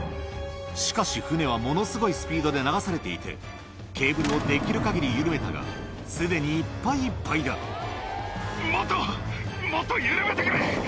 しかし船はものすごいスピードで流されていてケーブルをできる限り緩めたがすでにいっぱいいっぱいだくっ！